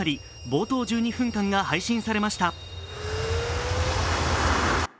冒頭１２分間が配信されました。